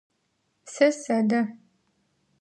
Сэ сэдэ.